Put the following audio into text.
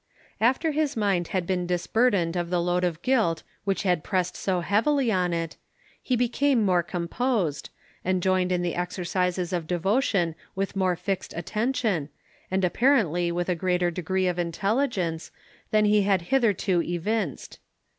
After his mind had been disburdened of the load of guilt which had pressed so heavily on it, he became more composed, and joined in the exercises of devotion with more fixed attention, and apparently with a greater degree of intelligence, than he had hitherto evinced.